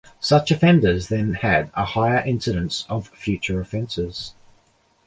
Such offenders then had a higher incidence of future offenses.